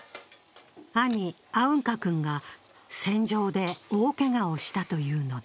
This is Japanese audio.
兄アウンカ君が戦場で大けがをしたというのだ。